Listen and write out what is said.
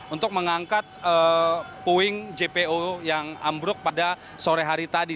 untuk mengangkat puing jpo yang ambruk pada sore hari tadi